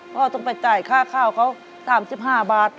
ต้องไปจ่ายค่าข้าวเขา๓๕บาท